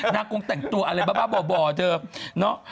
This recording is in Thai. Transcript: นางคงแต่งตัวอะไรบ้าบ่อเถอะเนาะ